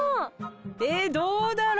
えどうだろう。